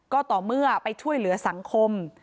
ก็ต่อเมื่อไปช่วยเหลือสังคม